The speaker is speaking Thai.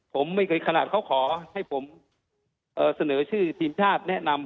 ผมไม่เคยขนาดเขาขอให้ผมเสนอชื่อทีมชาติแนะนำ